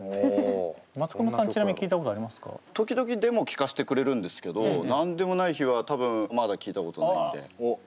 時々デモ聴かせてくれるんですけど「なんでもない日」は多分まだ聴いたことないんで。